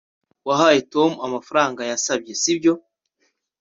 wahaye tom amafaranga yasabye, sibyo